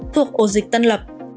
thuộc ổ dịch tân lập